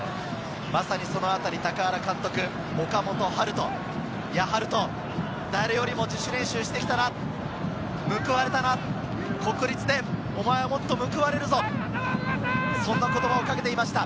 高原監督は岡本温叶、温叶、誰よりも自主練習をして来たな、報われたな、国立で、お前はもっと報われるぞ、そんな言葉をかけていました。